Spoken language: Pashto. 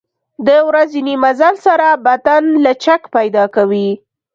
د ورځني مزل سره بدن لچک پیدا کوي.